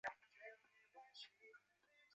泰晤士高等教育全球大学就业能力排名。